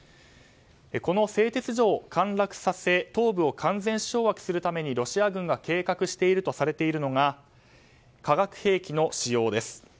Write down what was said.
この製鉄所を陥落させ東部を完全掌握するためにロシア軍が計画しているとされているのが化学兵器の仕様です。